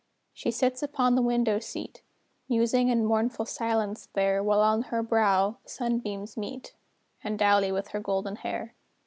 She sits upon the window seat, Musing in mournful silence there, While on her brow the sunbeams meet, And dally with her golden hair.